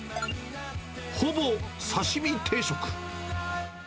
ほぼ刺身定食。